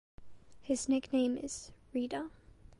His nickname is "Rida".